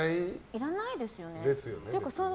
いらないですよね。